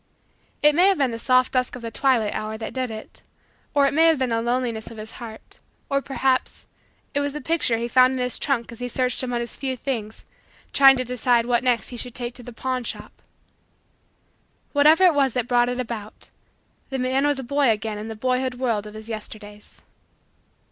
It may have been the soft dusk of the twilight hour that did it: or it may have been the loneliness of his heart: or, perhaps, it was the picture he found in his trunk as he searched among his few things trying to decide what next he should take to the pawn shop. Whatever it was that brought it about, the man was a boy again in the boyhood world of his Yesterdays.